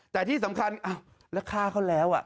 แต่ที่สำคัญแล้วฆ่าเขาแล้ว